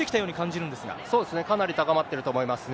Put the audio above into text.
そうですね、かなり高まっていると思いますね。